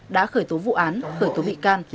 đã khởi tố vụ án khởi tố bị can